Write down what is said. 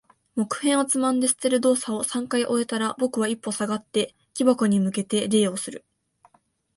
木片をつまんで捨てる動作を三回終えたら、僕は一歩下がって、木箱に向けて礼をする。